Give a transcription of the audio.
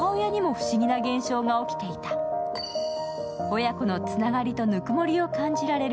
親子のつながりとぬくもりを感じられる